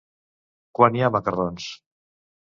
Quan hi ha macarrons?